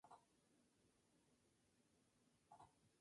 Fue grabado en un estudio casero en San Vicente.